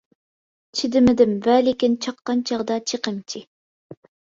چىدىمىدىم ۋە لېكىن چاققان چاغدا چېقىمچى.